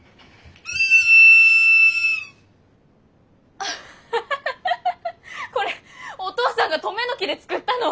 アハハハハこれお父さんが登米の木で作ったの。